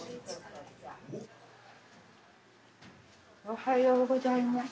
おはようございます。